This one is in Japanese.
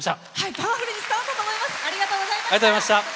パワフルに伝わったと思います。